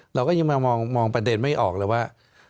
เราก็ยังมามองประเด็นไม่ออกเลยว่า